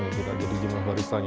jadi kita jadi jumlah baristanya